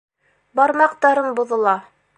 Бармаҡтарым боҙола.